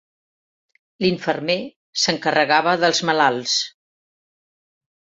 L'infermer s'encarregava dels malalts.